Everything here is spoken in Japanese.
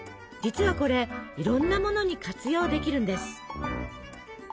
実はこれいろんなものに活用できるんです。